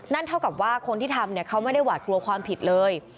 เท่ากับว่าคนที่ทำเขาไม่ได้หวาดกลัวความผิดเลย